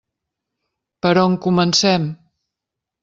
Per on comencem?